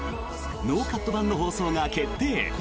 ノーカット版の放送が決定。